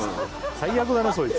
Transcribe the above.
最悪だなそいつ。